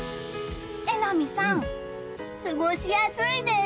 榎並さん、過ごしやすいです。